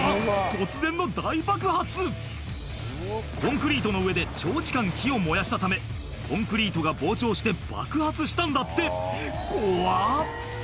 突然の大爆発コンクリートの上で長時間火を燃やしたためコンクリートが膨張して爆発したんだって怖っ！